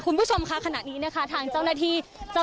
คุณผู้ชมค่ะขณะนี้นะคะทางเจ้าหน้าที่